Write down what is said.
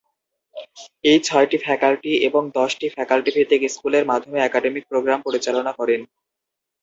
এটি ছয়টি ফ্যাকাল্টি এবং দশটি ফ্যাকাল্টি-ভিত্তিক স্কুলের মাধ্যমে অ্যাকাডেমিক প্রোগ্রাম পরিচালনা করেন।